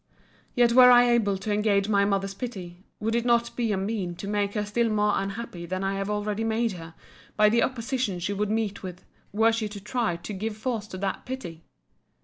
Yet were I able to engage my mother's pity, would it not be a mean to make her still more unhappy than I have already made her, by the opposition she would meet with, were she to try to give force to that pity?